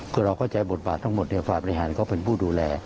คือเราเข้าใจบทบาททั้งหมดฝ่ายบริหารเขาเป็นผู้ดูแล